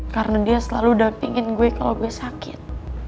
karena dia selalu dampingin gue kalo gue sakit